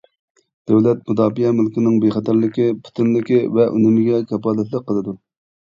دۆلەت مۇداپىئە مۈلكىنىڭ بىخەتەرلىكى، پۈتۈنلۈكى ۋە ئۈنۈمىگە كاپالەتلىك قىلىدۇ.